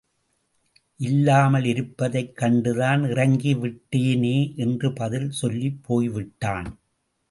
இல்லாமல் இருப்பதைக் கண்டுதான் இறங்கி விட்டேனே என்று பதில் சொல்லிப் போய்விட்டான்.